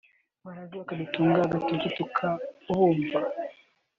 “Baraza bakadutunga agatoki tukabumva